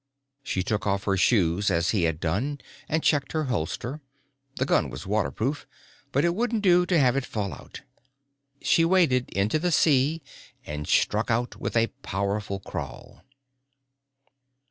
She took off her shoes as he had done and checked her holster: the gun was waterproof, but it wouldn't do to have it fall out. She waded into the sea and struck out with a powerful crawl.